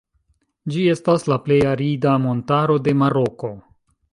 Ĝi estas la plej arida montaro de Maroko.